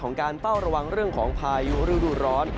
การเฝ้าระวังเรื่องของพายุฤดูร้อน